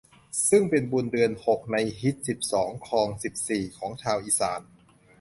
ซึ่งเป็นบุญเดือนหกในฮีตสิบสองคองสิบสี่ของชาวอีสาน